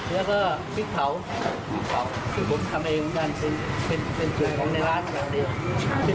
แล้วก็พริกเผาที่ผมทำเองมันเป็นสุดของในร้านแหล่งเดียว